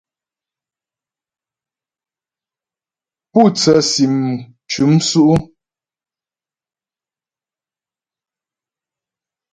Pú tsə́sim m cʉ́m sʉ́' ʉ́ ?